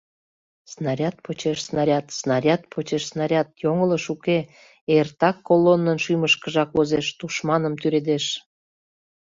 Снаряд почаш снаряд, снаряд почеш снаряд — йоҥылыш уке: эртак колоннын шӱмышкыжак возеш, тушманым тӱредеш.